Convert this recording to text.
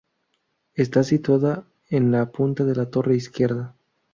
Está situada en la punta de la torre izquierda.